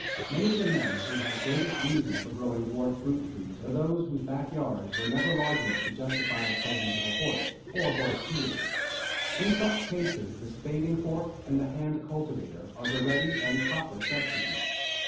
Many of the men who have greatest reason for growing dwarf fruit trees are those whose backyard gardens were never large enough to justify the presence of a horse or horse tools. In such cases the spading fork and the hand cultivator are the ready and proper substitutes.